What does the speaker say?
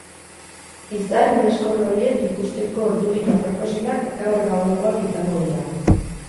Izar iheskor horiek ikusteko ordurik aproposenak gaur gauekoak izango dira.